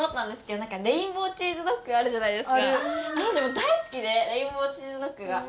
大好きでレインボーチーズドッグが。